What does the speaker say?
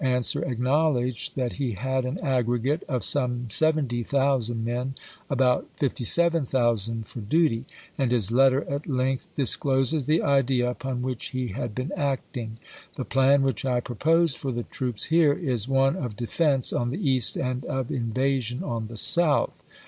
swer acknowledged that he had an aggregate "of some 70,000 men, about 57,000 for duty," and his letter at length discloses the idea upon which he had been acting: "The plan which I propose for ibid., the troops here is one of defense on the east and i86l*^w.^r. of invasion on the south."